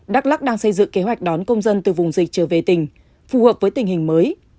đắk lắc đang xây dựng kế hoạch đón công dân từ vùng dịch trở về tỉnh phù hợp với tình hình mới